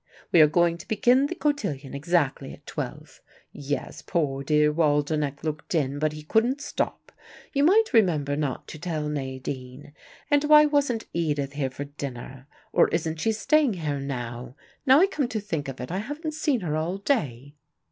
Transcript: "We are going to begin the cotillion exactly at twelve. Yes, poor dear Waldenech looked in, but he couldn't stop. You might remember not to tell Nadine. And why wasn't Edith here for dinner? Or isn't she staying here now? Now I come to think of it I haven't seen her all day."